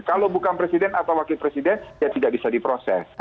kalau bukan presiden atau wakil presiden ya tidak bisa diproses